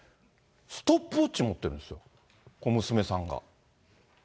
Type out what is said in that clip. ストップウォッチ持ってるんですよ、娘さんが。